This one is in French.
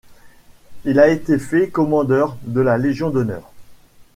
Il a été fait Commandeur de la Légion d'honneur.